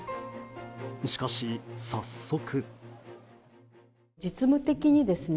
しかし、早速。